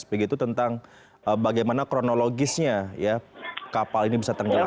begitu tentang bagaimana kronologisnya kapal ini bisa tenggelam